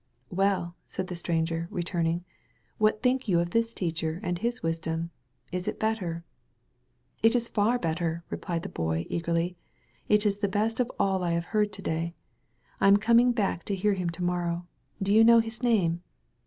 "Well," said the stranger, returning, "what think you of this teacher and his wisdom? Is it better?" "It is far better," replied the Boy eagerly: "it is the best of all I have heard to day. I am coming back to hear him to morrow. Do you know his name?"